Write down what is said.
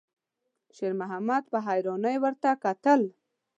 شېرمحمد په حيرانۍ ورته کتل.